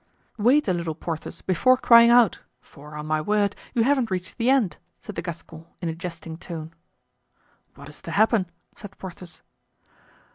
"Wait a little, Porthos, before crying out; for, on my word, you haven't reached the end," said the Gascon, in a jesting tone. "What is to happen?" said Porthos.